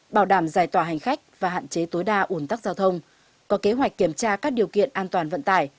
bảo đảm giải tỏa hành khách và hạn chế tối đa ủn tắc giao thông có kế hoạch kiểm tra các điều kiện an toàn vận tải